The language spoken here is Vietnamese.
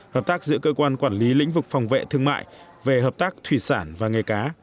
hợp tác giữa cơ quan quản lý lĩnh vực phòng vệ thương mại về hợp tác thủy sản và nghề cá